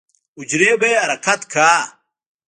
حجرې به يې حرکت کا.